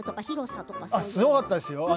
すごかったですよ